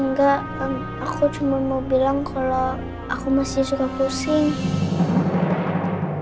enggak aku cuma mau bilang kalau aku masih suka kursih